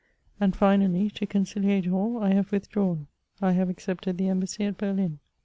And finally, to conciliate all, I have withdrawn; I have accepted the embassy at Berlin.